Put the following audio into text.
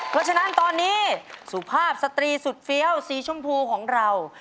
เพราะฉะนั้นตอนนี้สุภาพสตรีสุดเฟี้ยวสีชมพูของเรา